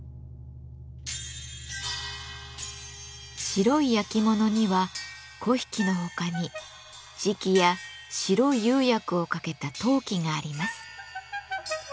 白い焼き物には粉引のほかに磁器や白い釉薬をかけた陶器があります。